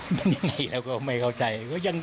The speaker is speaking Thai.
เป็นยังไงเราก็ไม่เข้าใจ